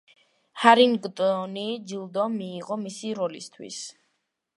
ჰარინგტონი ჯილდო მიიღო მისი როლისთვის.